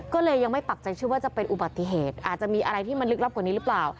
ก็เลยยังไม่ปักใจเชื่อว่าจะเป็นอุบัติเหตุอาจจะมีอะไรที่มันลึกลับกว่านี้หรือเปล่า